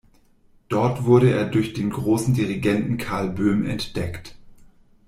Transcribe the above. Dort wurde er durch den großen Dirigenten Karl Böhm entdeckt.